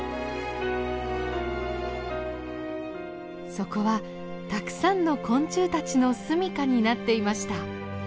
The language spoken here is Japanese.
そこはたくさんの昆虫たちの住みかになっていました。